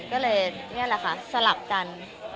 ก็เลยนี่นะคะสลับกัน